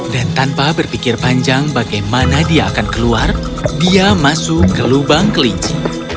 dan tanpa berpikir panjang bagaimana dia akan keluar dia masuk ke lubang kelinci